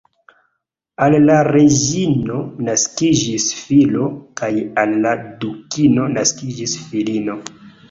Al la reĝino naskiĝis filo kaj al la dukino naskiĝis filino.